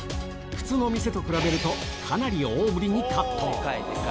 普通の店と比べると、かなり大ぶりにカット。